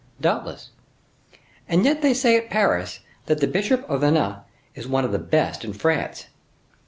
"Doubtless." "And yet they say at Paris that the bishopric of Vannes is one of the best in France."